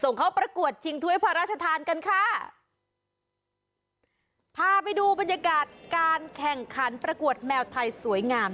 เข้าประกวดชิงถ้วยพระราชทานกันค่ะพาไปดูบรรยากาศการแข่งขันประกวดแมวไทยสวยงาม